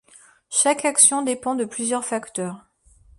Chaque action dépend de plusieurs facteurs.